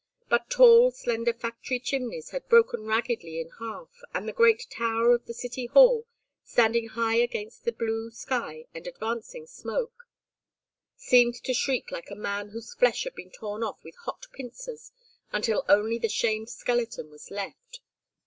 But tall slender factory chimneys had broken raggedly in half, and the great tower of the City Hall, standing high against the blue sky and advancing smoke, seemed to shriek like a man whose flesh had been torn off with hot pincers until only the shamed skeleton was left.